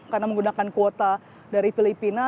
karena menggunakan kuota dari filipina